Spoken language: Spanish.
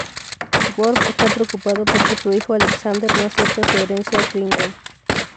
Worf está preocupado porque su hijo Alexander no acepta su herencia Klingon.